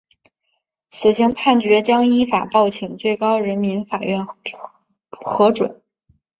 死刑判决将依法报请最高人民法院核准。